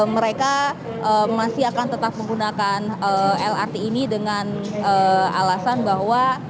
mereka masih akan tetap menggunakan lrt ini dengan alasan bahwa